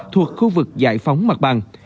thuộc khu vực giải phóng mặt bằng